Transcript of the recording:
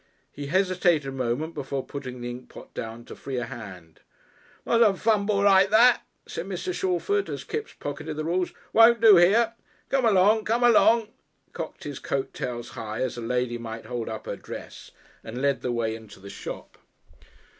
He hesitated a moment before putting the inkpot down to free a hand. "Mustn't fumble like that," said Mr. Shalford as Kipps pocketed the rules. "Won't do here. Come along, come along," and he cocked his coat tails high, as a lady might hold up her dress, and led the way into the shop.